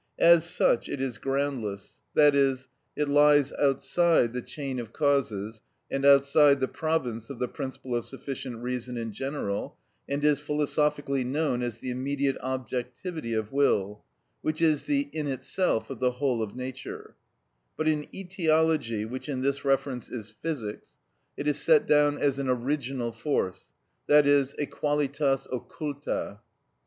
As such, it is groundless, i.e., it lies outside the chain of causes and outside the province of the principle of sufficient reason in general, and is philosophically known as the immediate objectivity of will, which is the "in itself" of the whole of nature; but in etiology, which in this reference is physics, it is set down as an original force, i.e., a qualitas occulta.